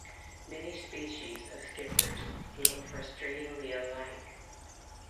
Many species of skippers look frustratingly alike.